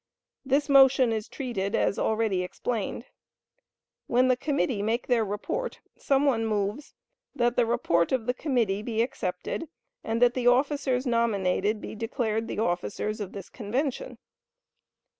This motion is treated as already explained. When the committee make their report, some one moves "That the report of the committee be accepted and that the officers nominated be declared the officers of this convention."